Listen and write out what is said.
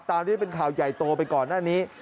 ตามที่เป็นข่าวใหญ่โตไปก่อนหน้านี้